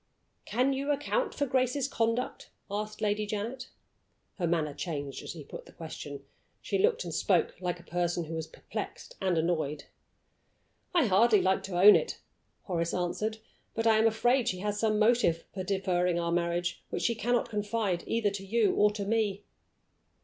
"Can you account for Grace's conduct?" asked Lady Janet. Her manner changed as she put the question. She looked and spoke like a person who was perplexed and annoyed. "I hardly like to own it," Horace answered, "but I am afraid she has some motive for deferring our marriage which she cannot confide either to you or to me."